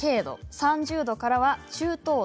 ３０度からは中等度。